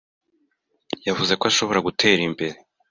Yavuze ko ashobora gutera imbere